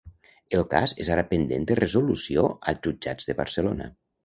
El cas és ara pendent de resolució als jutjats de Barcelona.